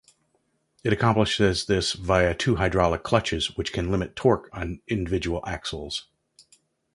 It accomplishes this via two hydraulic clutches which can limit torque on individual axles.